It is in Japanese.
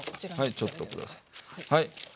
ちょっとくださいはい。